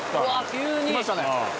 急に。